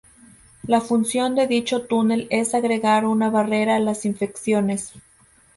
La función de dicho túnel es agregar una barrera a las infecciones.